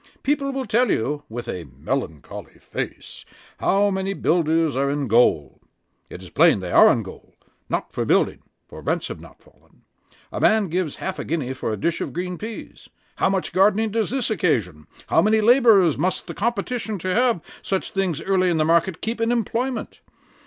People will tell you, with a melancholy face, how many builders are in gaol. It is plain they are in gaol, not for building; for rents are not fallen. A man gives half a guinea for a dish of green peas. How much gardening does this occasion? how many labourers must the competition to have such things early in the market, keep in employment?